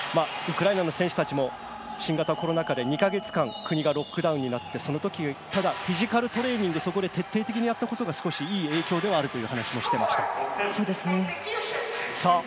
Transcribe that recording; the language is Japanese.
ウクライナの選手たちも新型コロナ禍で２か月間、国がロックダウンになって、ただフィジカルトレーニングを徹底的にやったことがいい影響ではあるという話をしていました。